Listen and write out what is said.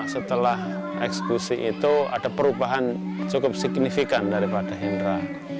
setelah eksekusi itu ada perubahan cukup signifikan daripada hendra